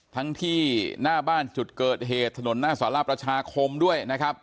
ทั้งที่หน้าบ้านจุดเกิดเหตุถนนหน้าสารประชาคมด้วยนะครับ